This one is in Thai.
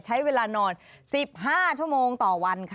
ใช้เวลานอน๑๕ชั่วโมงต่อวันค่ะ